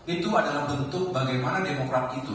itu adalah bentuk bagaimana demokrat itu